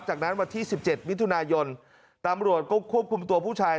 จากนั้นวันที่๑๗มิถุนายนตำรวจก็ควบคุมตัวผู้ชาย